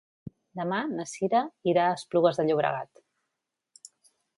Demà na Cira irà a Esplugues de Llobregat.